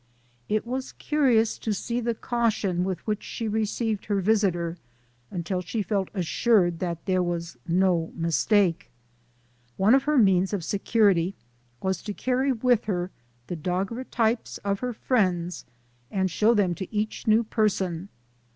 It was curious to see the caution with which she received her visitor until she felt assured that there was no mistake. One of her means of security was to carry with her the daguerreotypes of her friends, and show them to each new person.